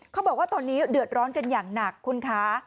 เขาบอกว่าตอนนี้เดือดร้อนกันอย่างหนักคุณคะ